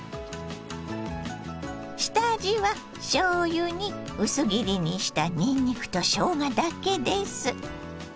下味はしょうゆに薄切りにしたにんにくとしょうがだけです。